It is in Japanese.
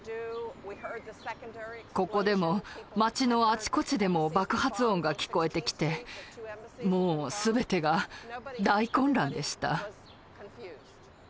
ここでも街のあちこちでも爆発音が聞こえてきてもう全てが大混乱でした。